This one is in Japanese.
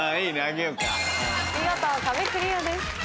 見事壁クリアです。